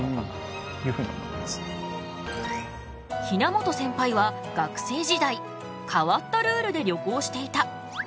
比奈本センパイは学生時代変わったルールで旅行していた。